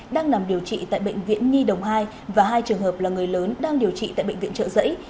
đang nằm điều trị tại bệnh viện nhi đồng hai và hai trường hợp là người lớn đang điều trị tại bệnh viện trợ giấy